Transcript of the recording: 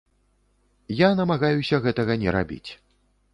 Я намагаюся гэтага не рабіць.